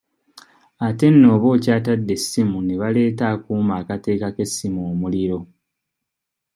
Ate nno oba okyatenda essimu ne baleeta akuuma akateekako essimu omuliro.